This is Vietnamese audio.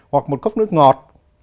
hoặc một cốc nước ngọt